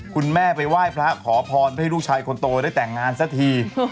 คุณแม่ไปไหว้พระขอพรให้ลูกชายคนโตได้แต่งงานสักที